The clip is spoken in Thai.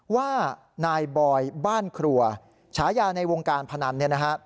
ว่านายบอยบ้านครัวฉายาในวงการพนัน